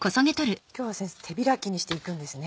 今日は先生手開きにしていくんですね。